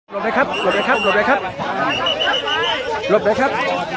รบต่อไปครับรบต่อไปครับครับรบต่อไปครับ